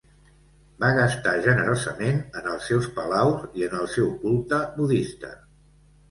Va gastar generosament en els seus palaus i en el seu culte budista.